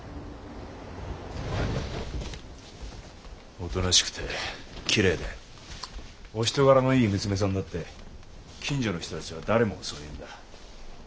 おとなしくてきれいでお人柄のいい娘さんだって近所の人達は誰もがそう言うんだ。